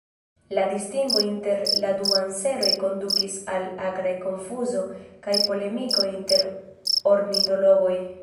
La distingo inter la du anseroj kondukis al akraj konfuzo kaj polemiko inter ornitologoj.